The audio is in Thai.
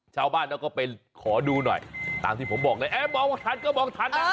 มาบ้านแล้วก็ไปขอดูหน่อยตามที่ผมบอกเลยแอบบอกว่าทันก็บอกทันนะ